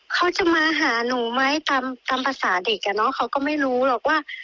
เขาจะมาหาหนูไหมตามภาษาเด็กอ่ะเนอะเขาก็ไม่รู้หรอกว่า